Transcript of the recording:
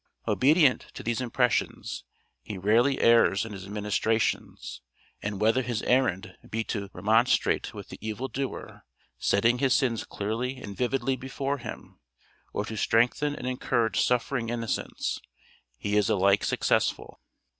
Obedient to these impressions, he rarely errs in his ministrations, and whether his errand be to remonstrate with the evil doer, setting his sins clearly and vividly before him, or to strengthen and encourage suffering innocence, he is alike successful.